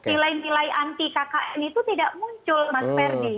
nilai nilai anti kkn itu tidak muncul mas ferdi